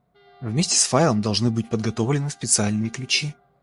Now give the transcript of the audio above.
Вместе с файлом должны быть подготовлены специальные ключи